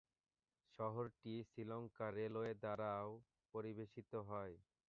শহরটি শ্রীলঙ্কা রেলওয়ে দ্বারাও পরিবেশিত হয়।